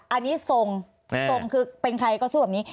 อันนี้ทรงทรงคือเป็นใครก็สู้แบบนี้